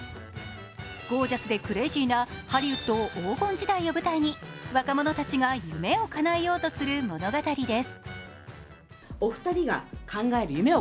ゴージャスでクレージーなハリウッド黄金時代を舞台に若者たちが夢をかなえようとする物語です。